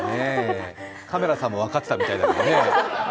カメラさんも分かったみたいだもんね。